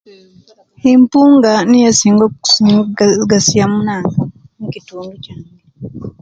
Npunga niyo esinga okusula ega egasiya munaka mukitundu kyange